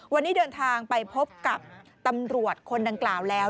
วันนี้เดินทางไปพบกับตำรวจคนดังกล่าวแล้ว